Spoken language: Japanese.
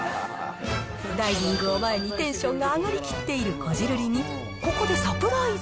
ダイビングを前にテンションが上がりきっているこじるりに、ここでサプライズ。